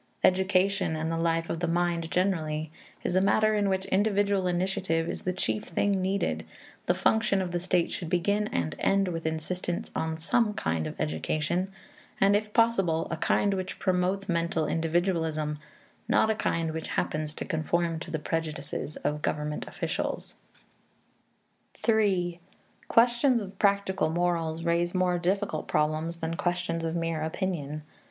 Education, and the life of the mind generally, is a matter in which individual initiative is the chief thing needed; the function of the state should begin and end with insistence on some kind of education, and, if possible, a kind which promotes mental individualism, not a kind which happens to conform to the prejudices of government officials. III Questions of practical morals raise more difficult problems than questions of mere opinion.